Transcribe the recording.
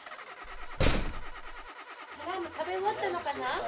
サラーム食べ終わったのかな？